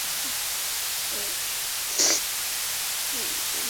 ঘটনার পরম্পরা, সময়, বুলেট, অ্যালিবাই।